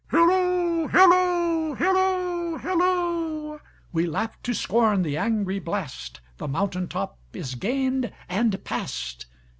Hilloo, hilloo, hilloo, hilloo! We laugh to scorn the angry blast, The mountain top is gained and past.